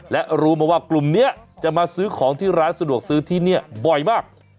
และรู้มาว่ากลุ่มนี้จะมาซื้อของที่ร้านสะดวกซื้อที่นี่บ่อยมาก